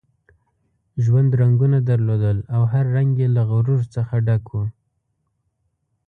ژوند رنګونه درلودل او هر رنګ یې له غرور څخه ډک وو.